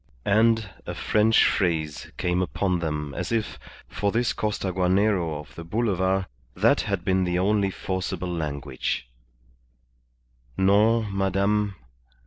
And a French phrase came upon them as if, for this Costaguanero of the Boulevard, that had been the only forcible language "_Non, Madame.